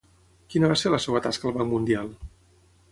Quina va ser la seva tasca al Banc Mundial?